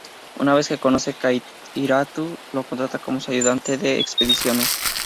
Una vez que conoce a Keitaro, lo contrata como su ayudante de expediciones.